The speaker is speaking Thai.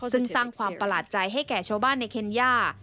ซึ่งสร้างความประหลาดใจให้แก่ชาวบ้านในเคนย่า